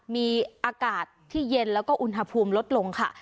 มีอากาศที่เย็นแล้วก็อุณหภูมิลดลงค่ะ